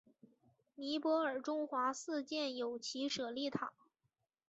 尼泊尔中华寺建有其舍利塔。